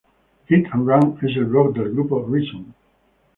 Hit and Run es el blog del grupo "Reason".